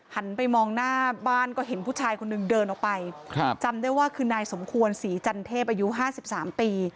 หันไปมองหน้าบ้านก็เห็นผู้ชายคนหนึ่งเดินออกไปครับจำได้ว่าคือนายสมควรศรีจันเทพอายุห้าสิบสามปี